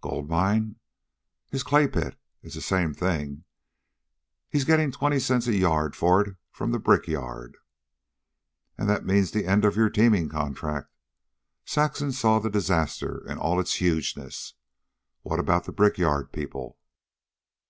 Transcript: "Gold mine!" "His clay pit. It's the same thing. He's gettin' twenty cents a yard for it from the brickyard." "And that means the end of your teaming contract." Saxon saw the disaster in all its hugeness. "What about the brickyard people?"